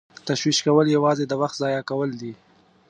تشویش کول یوازې د وخت ضایع کول دي.